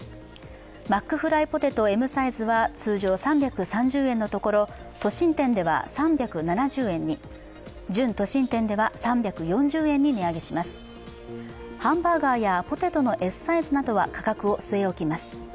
マックフライポテトＭサイズは通常３３０円のところ都心店では３７０円に準都心店では３４０円に値上げしますハンバーガーやポテトのＳサイズなどでは、価格を据え置きます。